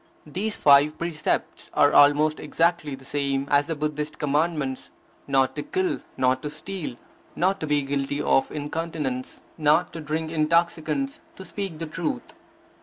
These five precepts are almost exactly the same as the Buddhist Commandments: not to kill, not to steal, not to be guilty of incontinence, not to drink intoxicants, to speak the truth.